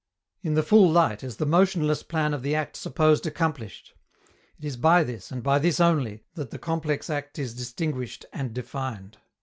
In the full light is the motionless plan of the act supposed accomplished. It is by this, and by this only, that the complex act is distinguished and defined.